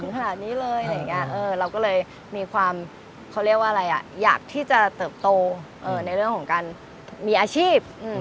เขาเรียกว่าอะไรอ่ะอยากที่จะเติบโตเออในเรื่องของการมีอาชีพอืม